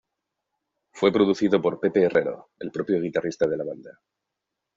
Fue producido por Pepe Herrero, el propio guitarrista de la banda.